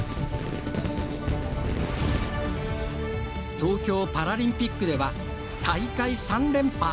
東京パラリンピックでは大会３連覇。